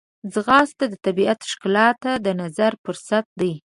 ځغاسته د طبیعت ښکلا ته د نظر فرصت دی